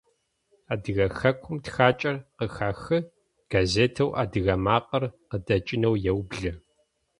Адыгэ хэкум тхакӏэр къыхахы, гъэзетэу «Адыгэ макъэр» къыдэкӏынэу еублэ.